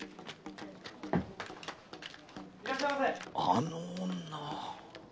あの女！